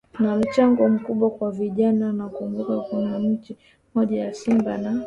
na mchango mkubwa kwa vijana Nakumbuka kuna mechi moja ya Simba na